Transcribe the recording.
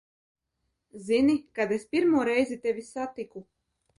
Zini, kad es pirmo reizi tevi satiku?